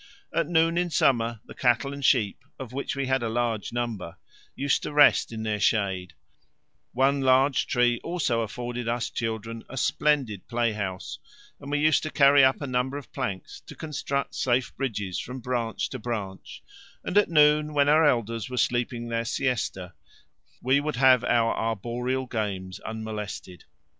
At noon in summer the cattle and sheep, of which we had a large number, used to rest in their shade; one large tree also afforded us children a splendid play house, and we used to carry up a number of planks to construct safe bridges from branch to branch, and at noon, when our elders were sleeping their siesta, we would have our arboreal games unmolested.